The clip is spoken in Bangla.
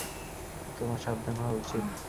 তোমার সাবধান হওয়া উচিত।